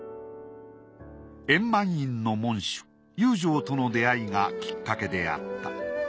圓満院の門主祐常との出会いがきっかけであった。